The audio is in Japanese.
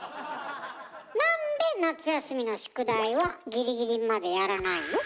なんで夏休みの宿題はギリギリまでやらないの？